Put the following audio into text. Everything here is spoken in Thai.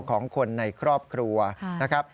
ของคนในครอบครัวนะครับ